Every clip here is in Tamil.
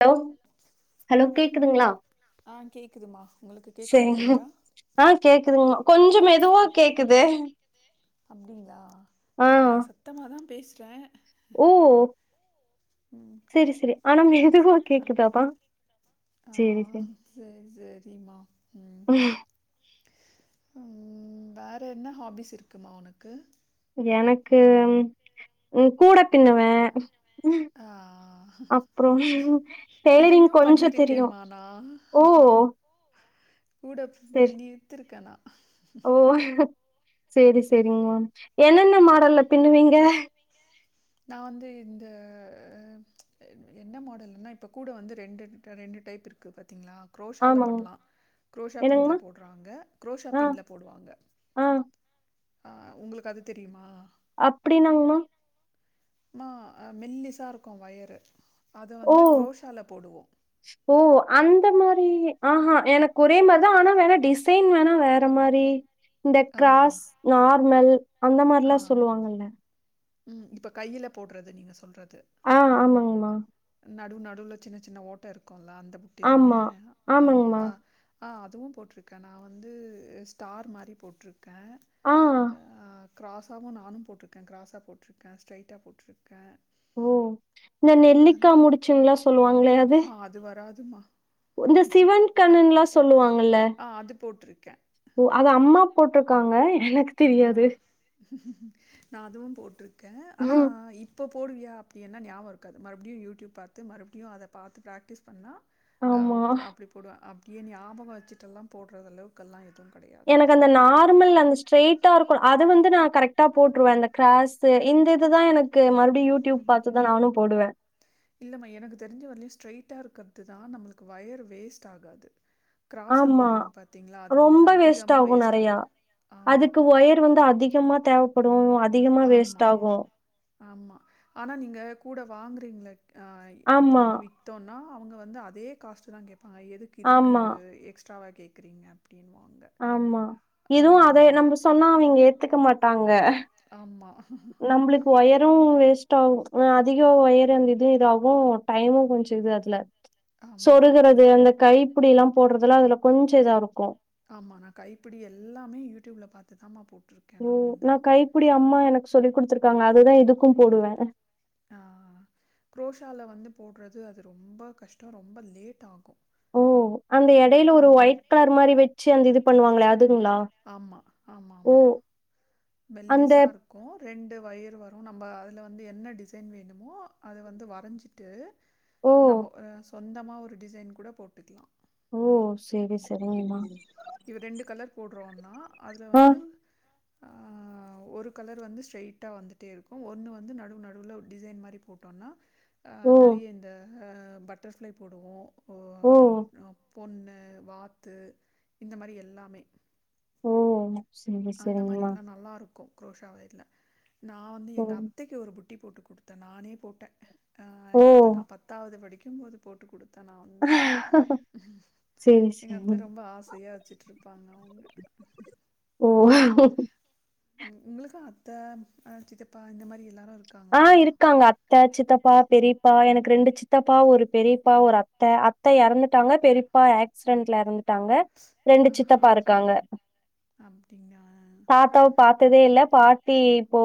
ஹலோ ஹலோ கேக்குதுங்களா ஆ கேட்குதுமா உங்களுக்கு கேட்குதா செரிங்க கிளியரா ஆஹ் கேக்குதுங்க கொன் சம் மெதுவா கேக்குது அப்படிங்களா ஆஹ் வ ஓ செரி செரி ஆனா மெதுவா கேக்குதாப்பா ஆஹ் செரி செரிம்மா ம் ம் வேற என்ன ஹாபிஸ் இருக்குமா ஒனக்கு எனக்கு உ கூட பின்னுவே ஆ, அப்றோ டெய்லரிங் இதையும் கொஞ்சோ தெரியோ பண்ணியிருக்கேம்மா நான் ஓ கூட செரி பின்னி த்துருக்கனா ஓ செரி செரிங்மா என்னென்ன மாடல்ல பின்னுவீங்க நா வந்து இந்த என்ன மாடல்ன்னா இப்ப கூட வந்து ரெண்டு ரெண்டு டைப் இருக்குது திங்ளா க்ரோஷால ஆமாங்க பண்லா க்ரோஷா பின்ல என்னங்கமா போட்றாங்க க்ரோஷா ஆ பின்ல போடுவாங்க ஆ ஆ உங்ளுக்கு அது தெரியுமா அப்டி நான்கன ஆ மெல்லிசா இருக்கோ வயறு ஓ ஓ அந்த மாரி ஆஹா எனக்கொறைம தா ஆனா வேணா டிசைன் வேணா வேற மாரி இந்த ஆ கிராஸ் நா மல் அந்த ஆ மரிலா சொல்லுவாங்கல்ல ம் இப்ப கைல போட்றது நீங்க சொல்றது ஆ ஆமாங்மா நடு நடுல சின்ன சின்ன ஓட்ட இருக்கோ அந்த புட்டி தான ஆமா. ஆமாங்கம்மா. ஆம்மாவா ஆ அதுவு போட்ருக்க நா வந்து ஸ்டார் மாரி போட்ருக்க ஆ க்ராஸாவு நானு போட்ருக்க க்ராஸா போட்ருக்க ஸ்ட்ரெய்ட்டா போட்ரு ஓ இந்த நெல்லிக்கா முடுச்சிங்ளா சொல்லுவாங்ளே அது அதுவா இந்த சிவன் கண்ணன் லா சொல்லுவா ல்ல ஆ அது போட்ருக்கே ஓ அது அம்மா போட்ருக்காங்க என தெரியாது நா அதுவு போட்ரு க்க ஆனா ம். இப்ப போடுவியா அப்டின்னாஞாவோ இருக்காது மறுப்டியு யூடியூப் பாத்து மறுப்டியு அத பாத்து ப்ராக்டிஸ் பண்ணா அ ஆமா. அப்டி போடுவ அ கி நியாபகோ அச்சுட்டெல்லா போட்றதள்ளவுகல்லா இ எனக்கந்த நார்மல் அந்த ஸ்ட்ரெட்டா ருக் அது வந்து நா கரெக்டா போட்ருவ இந்த கிராஸ்ஸூ இந்ததுதா எனக்கு மறு உ இல்லமா எனக்கு தெர்ஞ்ச வர்லியு ஸ்ட்ரெய்ட்டா ருக்க துதா நம்ளுக்கு வயர் வேஸ்ட் ஆகாது கிராஸா ஆமா போடுறீங்க பார்த்தீங்களா, அது வந்து ரொம்ப வேஸ்ட் அதிகமாக ஆகும் நெறையா ஆமா, அதுக்கு ஒயர் வந்து அதிகமா தேவைப்படும் அ ஆமா ஆமா ஆனா நீங்க கூட வாங்க ங்கள இப்ப ஆமா, நம்ம வித்தோனா அவங்க வந்து அதே காஸ்ட்டுதா கேப் எதுக்கு இதுக்கு ஆமா, எக்ஸ் எக்ஸ்டராவா கேக்றீங்க ஆமா இதுவும் அதை நம்ம சொன்னா அவங்க ஏத்துக்க மாட்ட தாங்க ஆமா நம்பளுக்கு ஒயரும் வேஸ்ட் டவ் அதிக ஒயர் அந்த இது இதாவும் டைமும் கொஞ்சம் இது அதுல ஆமா, சொருகறது அந்த கை அப்டி எல்லாம் போட்றதுல அதுல கொஞ்சம் இதாருக்கும் ஆமா நான் கைப்பிடி எல்லாமே யூடியூப்ல பாத்துதாமா போட ஓ நான் கைபுடி அம்மா எனக்கு சொல்லி் குடுத்துருக்காங்க அதுதான் இதுக்கும் போடுவேன் ஆ குரோஷால வந்து போட்றது அது ரொம்ப கஷ்டம் ரொம்ப லேட் ஆகும் ஓ அந்த இடையில ஒரு ம் ஒயிட் எழுத் கலர் மாறி வெச்சு அந்த இது பண்ணுவாங்களே அது ஆமா ஆமா ஆமா அந்த மெல்லிசா இருக்கும் ரெண்டு ஒயர வரும் நம்ம அதுல வந்து என்ன டிசைன் வேணுமோ அத வந்து வரைஞ்சிட்டு ஓ நம்ம ஆ சொந்தமா ஒரு டிசைன் கூட போட்டுக்கலாம் ஓ சரி சரிங்மா இப்ப ரெண்டு கலர் போட்றோம்னா அதுல ஆ வந்து ஆ ஒரு கலர் வந்து ஸ்ட்ரெய்ட்டா வந்துட்டேருக்கும் ஒன்னு வந்து நடு நடுவுல டிசைன் மாறி போட்டோன்னா ஆ ஓ நெறைய இந்த ஆ பட்டர்ஃப்ளை போடுவோம் ஓ பொண்ணு வாத்து இந்த மாறி எல்லாமே ஓ சரி அந்த மாறி சரிங்கம்மா எல்லாம் நல்லா இருக்கும் க்ரோஷ ஒயர்யல நான் வந்து ஓ எங்க அத்தைைக்கு ஒரு புக் குட்டி போட்டு குடுத்தேன் நானே போட்டெ ஆ ஓ எப்ப நா பத்தாவது படிக்க [unintelligible] போது போட்டு குடு நான் வந்து. சரி எங்க சரி அத்த ரொம்ப ஆசயா வச்சிட்ருப்பாங்க அவுங்க ஓ உங்ளுக்கு அத்த அ சித்தப்பா இந்த மாரி எல்லாரு ஆ இருக்காங்க அத்த சித்தப்பா பெரிப் ப்பா எனக்கு ரெண்டு சித்தப்பா ஒரு பெரிப்பா ஒரு அத்த, அத்த எறந்துட்டாங்க பெரிப்பா ஆக்சிடென்ட்ல எறந்து ட்டாங்க ரெண்டு ஆஹா சித்தப்பா இருக்காங்க அப்படிங்களா தாத்தாவ பாத் த்ததே இல்ல பாட்டி இப்போ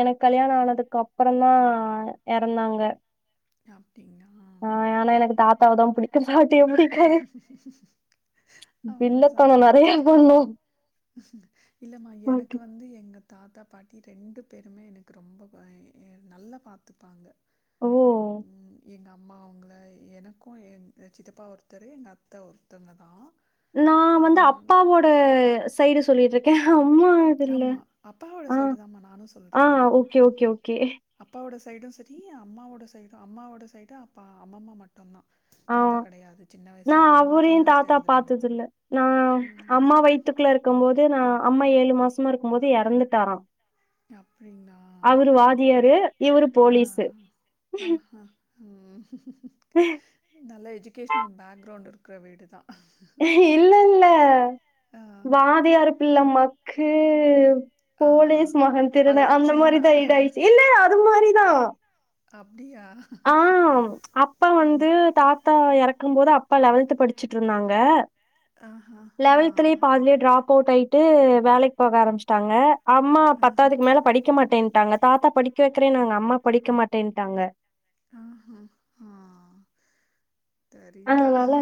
எனக் கல்யாண ஆனதுக் கப்பறந்தா எறந்தாங்க ஆ அப்படிங்களா ஆனா எனக்கு தாத் தா வதா புடிக் அவ்ளோதா வில்லத்தனோ அ நெறைய பண்ணும் இல்லம்மா எனக்கு பாட்டி வந்து எங்க தாத்தா பாட்டி ரெண்டு பேருமே எனக்கு ரொம்ப ப நல்லா பாத்துப்பாங்க ஓ ம் எங்க அப் அம்மா அவுங்கள எனக்கும் என் சித்தப்பா ஒருத்தரு எங்க அத்த ஒருத்தங்கதா நா வந்து அப்பாவோட ஸ் சைடு சொல்லிட்ருக்கேன் ஆமா அப்பாவோட சைடு தாம்மா நானும் சொல்ற ஆ ஓகே ஓகே ஓகே அப்பாவோட சைடும் சரி அம்மாவோட சைடும் அம்மாவோட சைடு அப்பா அம்மம்மா மட்டுந்தா ஆ தாத்தா கெடையாது சின்ன நா வயசுலயே அம்மா சின்ன அவுரையும் வயசுல தாத்தா எறந்துட்டாங்க பாத்ததில்ல நா ம் அம்மா வயித்துக்குள்ள இருக்கும் போது நா அம்மா ஏழு மாசமா இருக்கும்போது எறந்துட்டாராம் அப் டிங்களா இவரு ஆ போலீஸு ஆஹ ம் நல்ல எஜுகேஷனல் பேக்ரவுண்ட் இருக் கற வீடுதா இல்ல இல்ல ஆ, கே ஆ. போலிஸ் மகன் திருடன் அதெல்லாம் அந்த சும்மா. மாரிதா இதாயிடுச்சு இல்ல அது மாரி ஆ அப்டியா? ஆ அப்பா வந்து தாத்தா எறக் க்கும் போது அப்பா லெவல்த்து படிச்சிட்டு இருந்தாங்க ஆ ஆஹா. ஆ. லெவல்த்லே பாதில ட்ராப் அவுட் ஆயி விட்டு வேலைக்கு போக ஆரமிச்ட்டாங்க அம்மா ஆஹா. பத்தாவதுக்கு மேல படிக்க மாட்டேன் டாங்க தாத்தா படிக்க வைக்கிறேனாங்க அம்மா படிக்க மாட்டேன்ட்டாங்க ஆஹ ஆ தெரில அதனால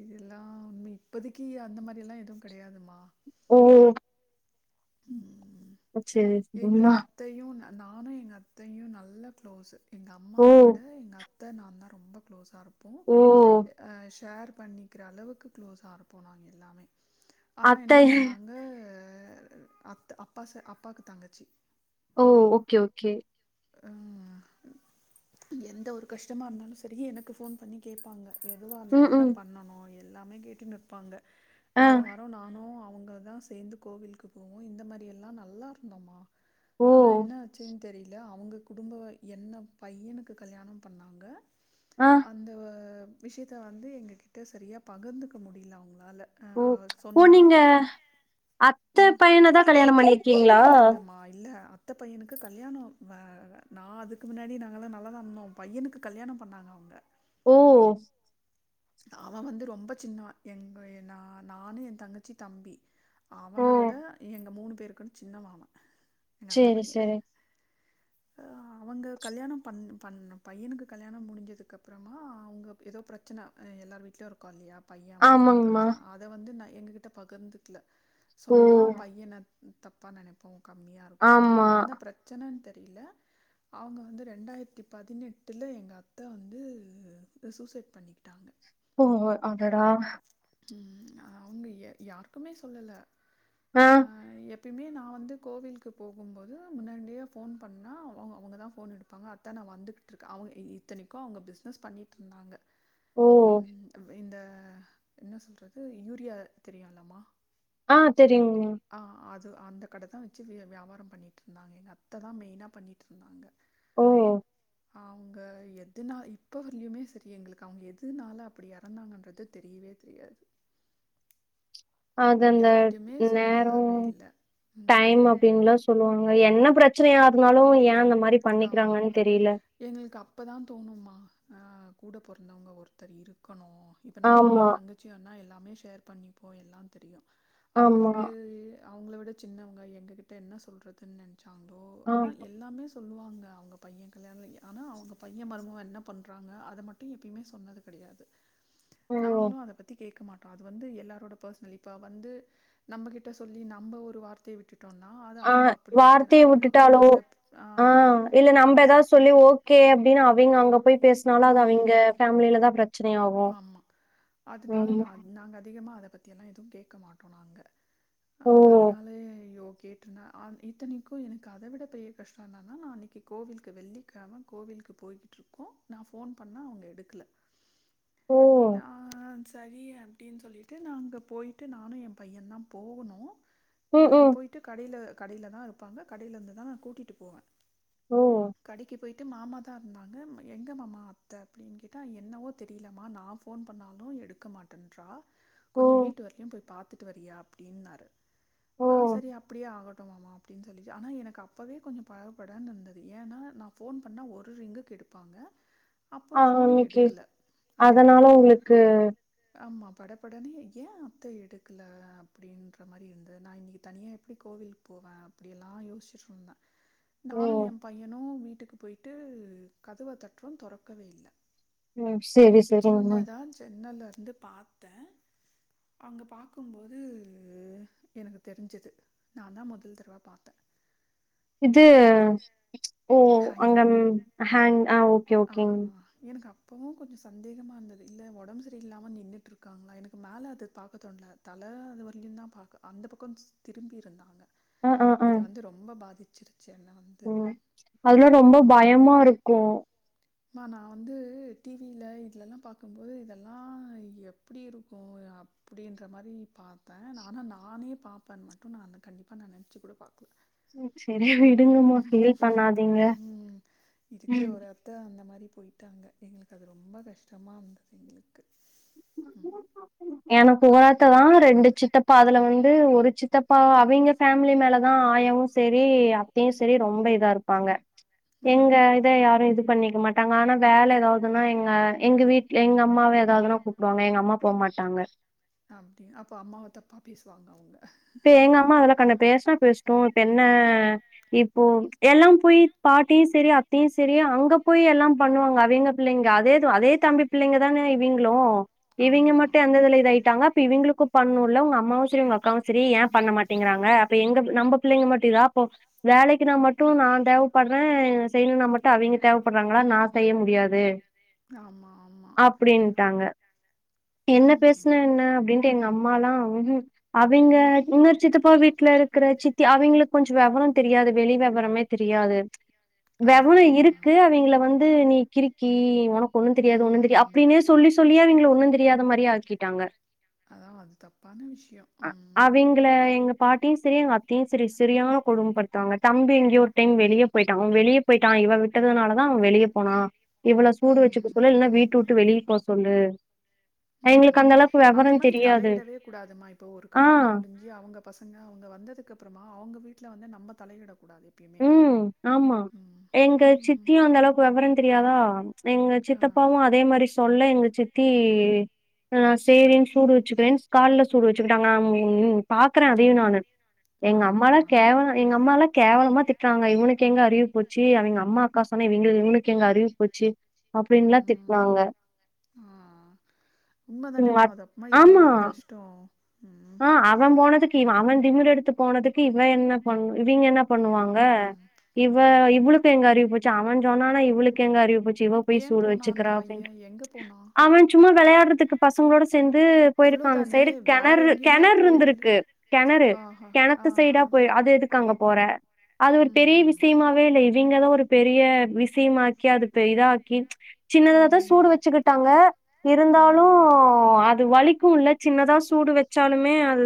இதெல்லா மி இப்பதைக்கு அந்த மாரி எல்லா எதுவு கடையாதுமா ஓ ம் அச்சேரி உம்மா நானு எங்கள் அத்தையும் நல்ல க்ளோஸ் ஓ அம்மாவை விட எங்க அத்தை நான்தா ரொம்ப க்ளோஸா இருப் போ ஓ! ஆ ஷேர் பண்ணிக்கிற அளவுக்கு க்ளோஸாக இருப்போம் நாங்க எல்லாமே ஆனா அத்தை என்ன பண்ணாங்க அ அத் அப்பா செ அப் அப்பாக்கு தங்கச்சி ஓ ஓகே ஓகே ம் எந்த ஒரு கஷ்டமா இருந்தாலும் சேரி எனக்கு ஃபோன் பண்ணி கேப்பாங்க கேட்பாங்க எதுவும் நா என்ன ம். பண்ணணும் எல்லாமே கேட்டு நிற்பாங்க ஆ. வாரம் வாரம் நானும் அவ அவங்கதா சேந்து கோவிலுக்கு போவோம் இந்த மாரி எல்லா நல்லா இருந்தோமா ஓ! ஆனா என்ன ஆச்சுன்னு தெரிய அவங்க குடும்ப என்ன பையனுக்கு கல்யாணம் பண்ணாங்க ஆ. அந்த விஷயத்தல வந்து எங்க கிட்ட சரியா பகிர்ந்துக்க முடியல அவங்களால ஒ ஓ சொன்னால் நீங்க அத்தை பையனைதா கல்யாணம் பண்ணிருக்கீங்களா இல்லை இல்லைம்மா இல்லை அத்தை பையனுக்கு கல்யாணம் நா அதுக்கு முன்னாடி நாங்களாம் நல்லா தா இருந்தோம் பையனுக்கு கல்யாணம் பண்ணிணாங்க அவங்க ஓ அவன் வந்து ரொம்ப சின்னா எங்க என் நானும் என் தங்கச்சி தம்பி ஓ! அவனவிட எங்க மூணு பேருக்கும் சின்னவ அவ எங்கத்த சரி, பைய சரி. அ அவங்க கல்யாணம் பண் பண்ண பையனுக்கு கல்யாணம் முடிஞ்சதுக்கு அப்புறமா அவங்க ஏதோ பிரச்சனை எல்லார் வீட்லயும் இருக்கும் இல்லையா பையா மருமாவ ஆமாங்கம்மா. பிரச்சனை அதை வந்து ந எங்க்கிட்ட பகிர்ந்துக்கல ஓ சொன்னா பையனத தப்பாக நினைப்போ கம்மியா இருக்கு அப்டி ஆமா எந்த பிரச்சனை தெ அவங்க வந்து ரெண்டாயிரத்தி பதினெட்டுல எங்க அத்தை வந்து சூசைட் பண்ணிக்கிட்டாங்க ஓ அடடா ம் அவங்க யாருக்குமே சொல்லல ஆ அஹ எப்ப இதை நான் வந்து கோவிலுக்கு போகும்போது முன்னாடியே ஃபோன் பண்ணா அவங்க அவங்க தான் ஃபோன் எடுப்பாங்க அத்தா நான் வந்துகிட்டுருக்கே அவங்க இத்தனைக்கும் அவங்க பிஸ்னஸ் பண்ணிகிட்டு இருந்தாங்க ஓ உம் இந்த என்ன சொல்றது யூரியா தெரியும்லமா ஆஹ் தெரியுங்னி அந்த கடை தான் வச்சு வியாபாரம் பண்ணிட்டு இருந்தாங்க எங்க அத்த தான் மெயினா பண்ணிட்டு இருந்தாங்க ஓஹ் அவங்க எதுனா இப்ப வரவுமே சரி எங்களுக்கு அவங் எதுனால அப்படி இறந்தாங்கன்ற தெரியவே தெரியாது அது அந்த யார்கிட்டயுமே நேரம சொல்லவே இல்ல. டைம் ம். அப்படின்ல்லா சொல்லுவாங்க என்ன பிரச்சனையா இருந்தாலும் ஏன் அந்த மாதிரி ஆமா எங்களுக்கு அப்பதா தோணுமா கூட பிறந்தவங்க ஒருத்தர் இருக்கு இப்ப நானு ஆமா என் தங்கச்சினா எல்லாமே ஷேர் பண்ணி போய் எல்லா தெரியு ஆமா அவங்களுக்கு அவங்கள விட சின்னவங்க எங்ககிட்ட என்ன சொல்றதுன்னு ஆனா ஆமா எல்லாமே சொந் சொல்லுவாங்க அவங்க பையன் கல்யாண ஆனா அவங்க பையன் மருமக என்ன பண்றாங்க அதை மட்டும் எப்பயுமே சொன்னது கிடையாது ஓ நாங்களும் அத பத்தி கேட்க மாட்டோ அது வந்து எல்லாரோட பர்சனல் இப்ப வந்து நம்மகிட்ட சொல்லி நம்ம ஒரு வார்த்த விட்டு ஆஹ் வார்த்தையை விட்டுட்டாலோ குடும்பத்துல ஆ ஆஹ இல்ல நம்ம ஏதாவது சொல்லி ஓகே அப்படின்னு அவங்க அங்க போய் பேசினாலும் அது அவங்க ம் ஃபேமிலிலதா பிரச்ச ஆமா அதனால ஆமா நாங்க அதிகமா அத பத்தி எல்லாம் எதுவும் கேட்க மாட்டோம் நாங்க ஓ அஹ் அதனாலேயோ கேட்டிருந்த இத்தனிக்கு எனக்கு அத விட பெரிய கஷ்டம் என்னனா நா அன்னைக்கு கோவில்க்கு வெள்ளிக்கிழம கோவில்க்கு போயிட்ருக்கோம் நா போன் பண்ண அவங்க எடுக்கல ஓ ஆஹ் சரி அப்டின் சொல்லிட்டு நா அங்க போயிட்டு நானு எ பையந்தான் போணும் ம் அஹ ம் போயிட்டு கடையில கடையிலதாருப்பாங்க கடையிலருந்துதா நா கூட்டிட்டு போவ ஓ கடைக்கு போயிட்டு மாமாதா இருந்தாங்க எங்க மாமா அத்த அப்டினு கேட்டா என்னவோ தெ தெரிலமா நா ஃபோன் பண்ணாலு எடுக்க மாட்டேன்றா ஓ கொஞ்ச வீட்டு வரைக்கு போய் பாத் துட்டு வறியா அப்டின்னாரு ஓ ஆஹ் சரி அப்டியே ஆகட் டோ அப்டினு சொல்லி ஆனா எனக்கு அப்பவே கொஞ்சொ படபடனு இருந்தது ஏனா நா ஃபோன் பண்ணா ஒரு ரிங்குக்கு எடுப்பாங்க அப்ப ஆ ஃபோனே அன்னைக்கு எடுக்குல அதனால உங்களுக்கு ஆமா பட படனு ஏ அத்த எடுக்குல அப்டின்ற மாரி இருந்தது நா இன்னிக்கு தனியா எப்டி கோவில்கு போவ அப்டியெல்லா யோச்சுட்ருந்த நானு ம் எ பையனு வீ ட்டுக்கு போயிட்டு கதவ தட்றோ தொறக்கவே இல்ல உம் சேரி சேரிங்கமா வந்து பாத்த அங்க பாக்கும்போது எனக்கு தெரிஞ்சது நாந்தா முதல் தடவ பாத்த இது ஓ ஹேங்கிங். அங்கம் ஹேங் ஆவ் ஓகே ஓகேங் பவு கொஞ்ச சந்தேகமா இருந்தது இல்ல ஒடம்பு சரில்லாம நின்னுட்டுருக்காங்க எனக்கு மேல அது பாக்க தோண்ல தல அது வரயிலும்தா பாக்க அந்த பக்கொ த் திரும்பி இருந்தாங்க இத வந்து ரொம்ப பாதிச் உம் அதுலா ரொம்ப பயமாருக்கு மா நா வந்து டிவில இதுலலா பாக்கும்போது இதெல்லா எப்டிருக்கு அப்டின்ற மாரி பாப்பே நா ஆனா நானே பாப்பேன் மட்டு நா கண்டிப்பா நா நெனச்சு கூட பாக்கல சு சே உம் இருக்குற ம் ஒரு அத்த அந்த மாரி போயிட்டாங்க எங்க்ளுக்கு அது ரொம்ப கஷ்டமா இருந்தது எங்களுக்கு உம் எனக்கு ஒரத்ததா ரெண்டு சித்தப்பா அதுல வந்து ஒரு சித்தப்பா அவைங்க ஃபேமிலி மேலதா ஆயாவு சேரி அத்தையு சேரி ரொம்ப இதா இருப்பாங்க ஆ எங்க இத யாரு இது பண்ணிக்க மாட் ட்டாங்க ஆனா வேல எதாவதுனா எங்க எங்க வீட்ல எங்க அம்மாவே எதாவதுனா கூப்டுவாங்க எங்க அம்மா போமாட் டாங்க அப்டி அப்பொ அம்மாவ தப்பா பேசுவாங்க அவங்க இப்ப எங்க அம்மா அதெல்லா கண்டு பேசுனா பேசட்டு இப்ப என்ன இப்போ எல்லா போய் பாட்டியு சேரி அத்தையு சேரி அங்க போய் எல்லா பண்ணுவாங்க அவிங்க பிள்ளைங்க அதேது அதே தம்பி பிள்ளைங்க தானே இவிங்க்ளு இவிங்க ஆமா மட்டு எந்த இதுல இதாய்டாங்க இவிங்குளுக்கு பண்ணுல்ல அவுங்க அம்மாவு சேரி அவுங்க அக்காவு செரி ஏ பண்ண மாட்டேங்குறாங்க அப்ப எங்க நம்ப பிள்ளைங்க மட்டு இதா அப்போ வேலைக்குனா மட்டு நா தேவப்படுற செய்யணுன்னா மட்டு அவிங்க தேவப்படுறாங்களா நா செய்ய முடியாது ஆமா ஆமா அப்டின்ட்டாங்க என்ன ம் பேசுன என்ன அப்டின்டு எங்க அம் ம்மாலா அவிங்க ம் இன்னோரு சித்தப்பா வீட்ல இருக் குற சித்தி அவிங்கெளுக்கு கொஞ்சோ வெவரொ தெரியாது வெளி வெவரமே தெரியாது வெவரோ அப்டிங்ளா இருக்கு அவெங்கள வந்து நீ கிருக்கி உனக் க்கு ஒன்னு தெரியாது ஒன்னு தெரி ம் அப்டின்னே சொல்லி சொல்லியே அவிங்கெள ஒன்னுந்தெ தெரியாத மாரியே ஆக்கிட்டாங்க அதா அது தப்பான விஷயம் அவிங்கெள எங்க பாட்டியு செரி எங்க அத்தையு செரி செரியான கொடும படுத்துவாங்க தம்பி எங்யோ ஒரு டைம் வெளிய போயிட்டான் அவன் வெளிய போயிட்டான் இவ விட்டதுனாலதா அவெ வெளிய போனா இவ்ளோ சூடு ம் வச்சு குடுக்கலன்னா ம் இல்லனா வீட்ட வுட்டு வெளிய அனுப்ப சொல்லு எங்களுக்கு ம் அந்த அளவுக்கு அந்த வெவரோ மாரி தெரியாது தலையிடவே கூடாதுமா இப்போ ஒரு ஆ கல்யாண முடிஞ்சு அவுங்க பசங்க அவுங்க வந்ததுக்கு அப்பறமா அவுங்க வீட்டு ல வந்து நம்ப தலையிட ம் ஆமா எங்க சித்தியு அந்த அளவுக்கு வெவரோ தெரியாதா எங்க சித்தப்பாவு அதே மாரி சொல்ல எங்க சித்தி ஆ சேரின் சூடு வெச்சுக்கிறேன் கால்ல சூடு வெச்சுக்கிட்டாங்க நா உம் பாக்குற அதையு நானு ஆ எங்க அம்மாலா கேவலோ எங்க அம்மாலா கேவலமா திட்றாங்க இவனுக்கு எங்க அறிவு போச்சு அவிங்க அம்மா அக்கா சொன்னா இவிங்களுக்கு இவனுக்கு எங்க அறிவு போச்சு அப்டின்லா திட்னாங்க திட்றாங்க ஆ உண்ம ம் தானேம்மா [unintelligible] அது அப்பமா எவ்ளோ ஆம்மா ஒரு கஷ்டோ ம் ஆ அவெ போனதுக்கு இவெ அவெ திமிரெடுத்து போனதுக்கு இவெ என்ன பண் இவிங்க என்ன பண்ணுவாங்க ம் இவ அதா இவ்வளுக்கு எங்க அறிவு போச் அவெ சொன்னானா இவளுக்கு எங்க அறிவு போச் ச்சு இவ ஏ போய் சூடு போனா அந்த வச்சுக்குரா பைய அப்டின் எங்க போனா அவன் சும்மா வெளையாடுறதுக்கு பசங்களோட சே சேந்து போயிருக்கா அந்த அவ்ளோதானே சைடு வேற கெணறு எங்கேயுமே கெணறு போயில இருந்துருக்கு கெணறு ஆஹா ஆ கெணத்து ஆ சைடா போய் அது எதுக்கு அங்க போ போற அது ஒரு பெரிய விஷயமாவே இல்ல இது அவெங்கதா ஒரு பெரிய விஷயமாக்கி அது இதாக்கி சின்னதா ம் தா சூடு ம் வச்சுக்கிட்டாங்க இருந்தாலு அது வலிக் உள்ள சின்னதா சூடு வச் சாலுமே ஆ அது